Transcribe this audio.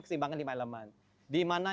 kesimbangan lima elemen di mana